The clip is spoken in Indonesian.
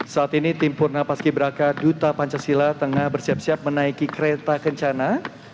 saat ini tim purnapaski braka duta pancasila tengah bersiap siap menaiki kereta kencana